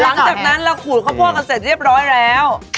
หลังจากนั้นเราขูดข้าวโพดกันเสร็จเรียบร้อยแล้ว